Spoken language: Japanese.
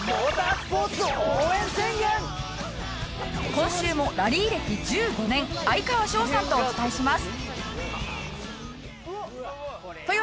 今週もラリー歴１５年哀川翔さんとお伝えします。